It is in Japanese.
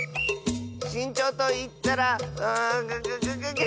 しんちょうといったらんググググ。